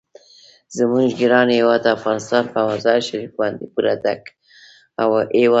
زموږ ګران هیواد افغانستان په مزارشریف باندې پوره ډک هیواد دی.